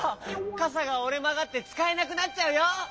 かさがおれまがってつかえなくなっちゃうよ！